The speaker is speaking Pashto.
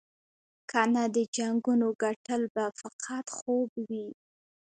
کنه د جنګونو ګټل به فقط خوب وي.